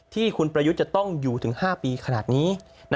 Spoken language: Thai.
ที่คุณประยุทธ์จะต้องอยู่ถึง๕ปีขนาดนี้